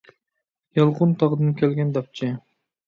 يالقۇنتاغدىن كەلگەن داپچى.